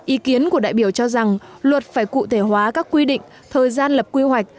ý kiến của đại biểu cho rằng luật phải cụ thể hóa các quy định thời gian lập quy hoạch